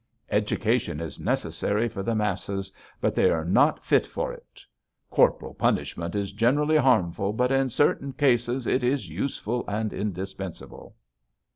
'Education is necessary for the masses, but they are not fit for it.' 'Corporal punishment is generally harmful, but in certain cases it is useful and indispensable.'